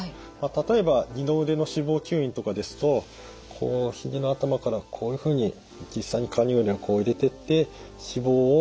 例えば二の腕の脂肪吸引とかですとこう肘の頭からこういうふうに実際にカニューレをこう入れてって脂肪を